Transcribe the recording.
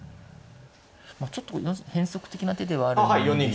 まあちょっと変則的な手ではあるんですけど。